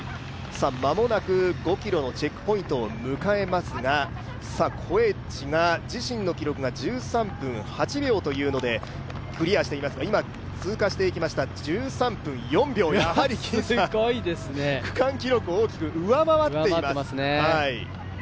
間もなく５ｋｍのチェックポイントを迎えますが、コエチが自身の記録が１３分８秒というのでクリアしていますが、今通過していきました、１３分４秒、やはり区間記録を大きく上回っています。